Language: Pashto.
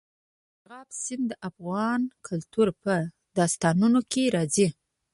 مورغاب سیند د افغان کلتور په داستانونو کې راځي.